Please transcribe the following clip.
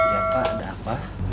iya pak ada apa